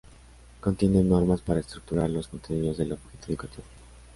Contiene normas para estructurar los contenidos del objeto educativo.